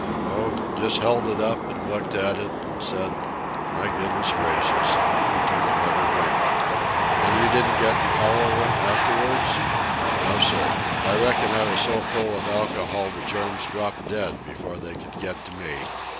"Oh, just held it up and looked at it, and said 'My goodness gracious!' and took another drink." "And you didn't get the cholera afterwards?" "No, sir. I reckon I was so full of alcohol the germs dropped dead before they could get to me."